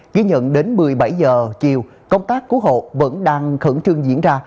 ghi nhận đến một mươi bảy h chiều công tác cứu hộ vẫn đang khẩn trương diễn ra